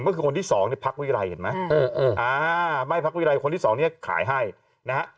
ก็คือคนที่สองเนี่ยพักวิรัยเห็นไหมไม่พักวิรัยคนที่สองเนี่ยขายให้นะฮะ